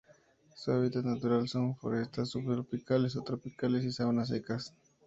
Su hábitat natural son forestas subtropicales o tropicales y sabanas secas.